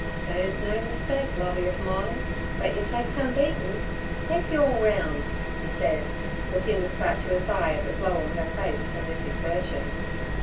'They's no mistake, Lovey ov mine, but yer take some beatin', take yer all roun" he said, looking with fatuous eye at the glow on her face from this exertion.